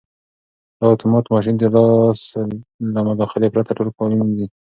دا اتومات ماشین د لاس له مداخلې پرته ټول کالي مینځي.